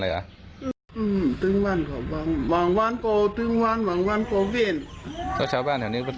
เฉียงร้องแต่ว่าเจ้าก็เสียงร้องทั้งนานแหละไง